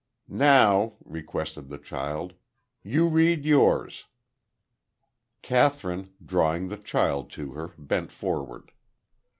"Now," requested the child, "you read yours." Kathryn, drawing the child to her, bent forward.